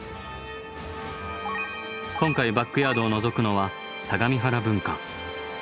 今回バックヤードをのぞくのは相模原分館。